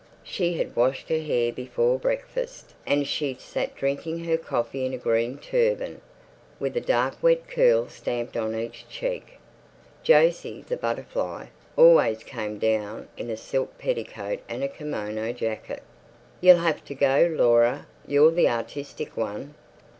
She had washed her hair before breakfast, and she sat drinking her coffee in a green turban, with a dark wet curl stamped on each cheek. Jose, the butterfly, always came down in a silk petticoat and a kimono jacket. "You'll have to go, Laura; you're the artistic one."